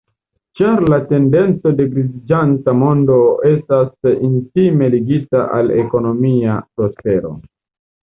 Ĉar la tendenco de griziĝanta mondo estas intime ligita al ekonomia prospero.